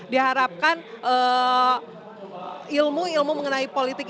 dan karena memang sudah memasuki tahun politik